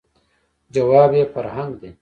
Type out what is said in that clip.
، ځواب یې «فرهنګ» دی.